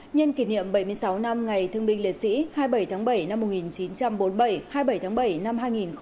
nhân kỷ niệm bảy mươi sáu năm ngày thương binh liệt sĩ hai mươi bảy tháng bảy năm một nghìn chín trăm bốn mươi bảy hai mươi bảy tháng bảy năm hai nghìn một mươi chín